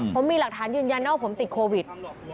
ผมมีหลักฐานยืนยันว่าผมติดโควิด